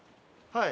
はい。